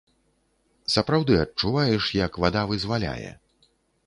Сапраўды адчуваеш, як вада вызваляе.